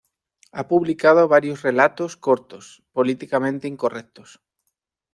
Ha publicado varios relatos cortos políticamente incorrectos.